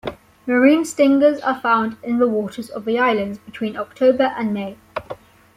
Marine stingers are found in the waters of the islands between October and May.